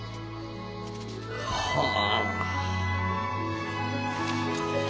はあ。